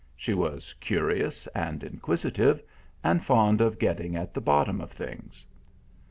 She was curious and inquisitive, and fond of getting at the bottom of things.